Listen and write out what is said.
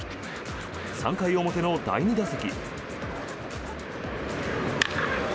３回表の第２打席。